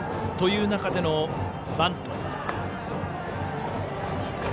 という中でのバント。